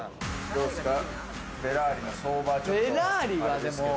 どうですかフェラーリの相場は。